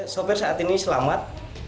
sopir saat ini selamat